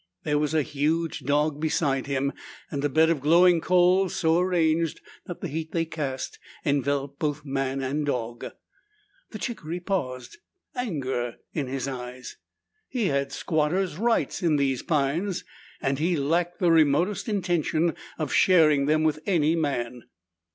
There was a huge dog beside him and a bed of glowing coals so arranged that the heat they cast enveloped both man and dog. The chickaree paused, anger in his eyes. He had squatters' rights in these pines and he lacked the remotest intention of sharing them with any man.